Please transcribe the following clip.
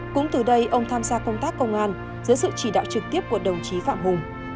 cũng từ đây ông tham gia công tác công an dưới sự chỉ đạo trực tiếp của đồng chí phạm hùng